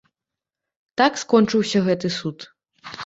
Так скончыўся гэты суд.